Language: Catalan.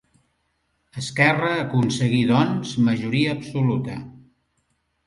Esquerra aconseguí, doncs, majoria absoluta.